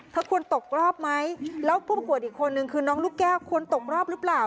ควรตกรอบไหมแล้วผู้ประกวดอีกคนนึงคือน้องลูกแก้วควรตกรอบหรือเปล่า